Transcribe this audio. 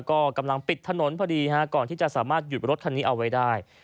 ก็กำลังปิดถนนพอดีก่อนที่จะสามารถหยุดรถคันนี้เอาไว้ได้